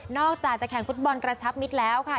อกจากจะแข่งฟุตบอลกระชับมิตรแล้วค่ะ